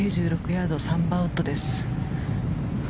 １９６ヤード３番ウッドです。